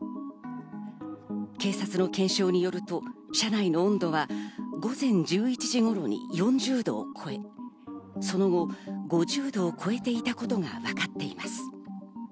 警察の検証によると、車内の温度は午前１１時頃に４０度を超え、その後、５０度を超えていたことが分かっています。